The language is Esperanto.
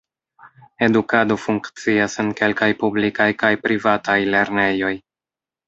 Edukado funkcias en kelkaj publikaj kaj privataj lernejoj.